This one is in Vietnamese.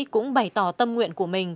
cũng bày tỏ tâm nguyện của mình